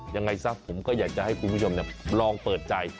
ยังไงซะผมก็อยากจะให้คุณผู้ชมลองเปิดใจ